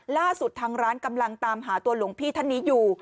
ล่าสุดทางร้านกำลังตามหาตัวหลวงพี่ท่านนี้อยู่